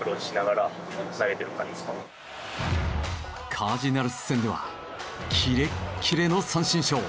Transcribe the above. カージナルス戦ではキレッキレの三振ショー。